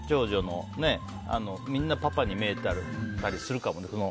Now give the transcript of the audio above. みんなパパに見えたりするかもね。